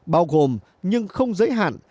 bao gồm nhưng không giới hạn